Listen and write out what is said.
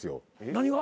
何が？